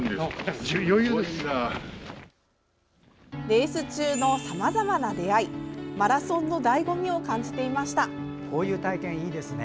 レース中のさまざまな出会いマラソンのだいご味を感じていました。